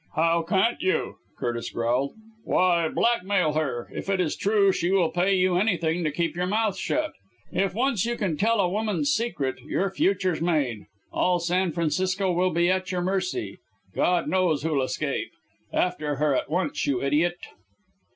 "How can't you?" Curtis growled. "Why, blackmail her! If it is true, she will pay you anything to keep your mouth shut. If once you can tell a woman's secret, your future's made. All San Francisco will be at your mercy God knows who'll escape! After her at once, you idiot!"